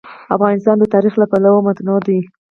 افغانستان د تاریخ له پلوه متنوع دی.